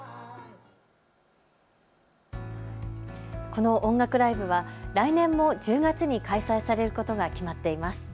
この音楽ライブは来年も１０月に開催されることが決まっています。